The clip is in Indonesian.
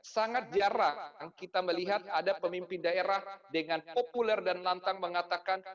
sangat jarak yang kita melihat ada pemimpin daerah dengan populer dan lantang mengatakan